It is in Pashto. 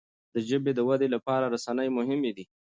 د ژبي د ودې لپاره رسنی مهمي دي.